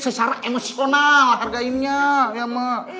secara emosional hargainnya ya emak